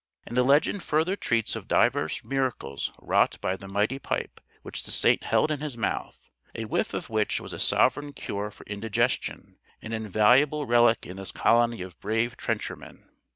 And the legend further treats of divers miracles wrought by the mighty pipe which the saint held in his mouth; a whiff of which was a sovereign cure for an indigestion an invaluable relic in this colony of brave trenchermen.